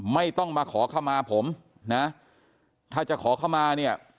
ไม่ต้องมาขอเข้ามาผมนะถ้าจะขอเข้ามาเนี่ย